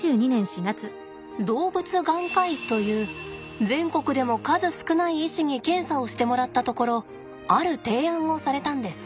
動物眼科医という全国でも数少ない医師に検査をしてもらったところある提案をされたんです。